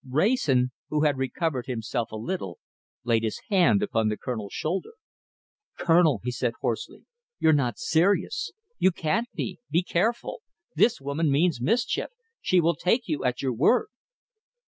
Wrayson, who had recovered himself a little, laid his hand upon the Colonel's shoulder. "Colonel," he said hoarsely, "you're not serious! You can't be! Be careful. This woman means mischief. She will take you at your word."